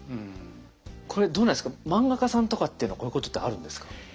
これどうなんですか漫画家さんとかっていうのはこういうことってあるんですか？